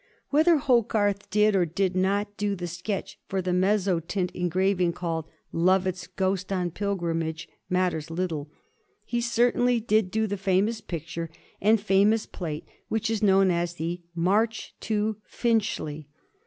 Whether Hogarth did or did not do the sketch for the mezzotint engraving called " Lovat's Ghost on Pilgrimage " matters little. He certainly did do the famous picture and famous plate which is known as the " March to Finchley."